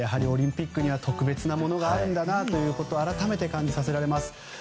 オリンピックには特別なものがあるんだなと改めて感じさせられます。